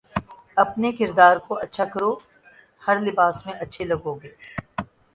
اپنے کردار کو اچھا کرو ہر لباس میں اچھے لگو گے